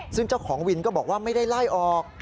ซึ่งเจ้าของวินก็บอกว่าไม่ได้ไล่ออก